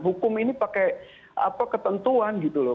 hukum ini pakai ketentuan gitu loh